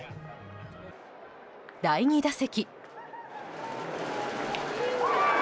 第２打席。